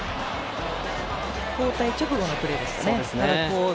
交代直後のプレーですね。